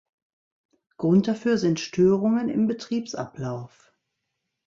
Grund dafür sind Störungen im Betriebsablauf.